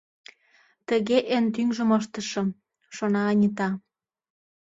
«Тыге эн тӱҥжым ыштышым, — шона Анита.